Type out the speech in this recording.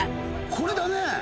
これだね。